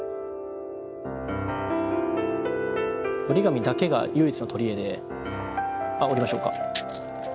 折り紙だけが唯一の取り柄で。あっ折りましょうか？